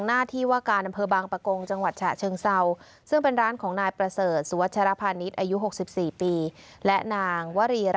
หน้าที่ว่ากาลนมเพิร์ตบางประกง